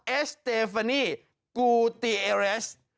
เอสเตฟานีกูตีเอเรส